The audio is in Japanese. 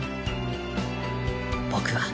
僕は